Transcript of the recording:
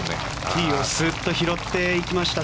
ティーをスッと拾っていきました